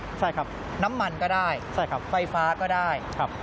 ใช่ครับใช่ครับน้ำมันก็ได้ไฟฟ้าก็ได้ครับ